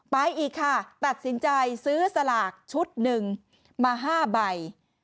ไปอีกค่ะตัดสินใจซื้อสลากชุดหนึ่งมา๕ใบ